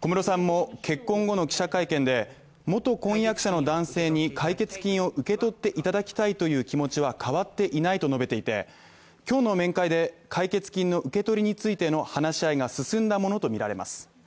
小室さんも結婚後の記者会見で、元婚約者の男性に解決金を受け取っていただきたいという気持ちは変わっていないと述べていて、今日の面会で、解決金の受け取りについての話し合いが進んだものとみられます。